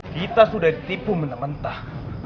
kita sudah ditipu mentah mentah